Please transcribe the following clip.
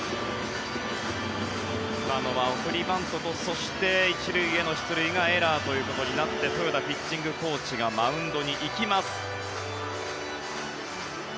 今のは送りバントとそして１塁への出塁がエラーということになって豊田ピッチングコーチがマウンドに行きます。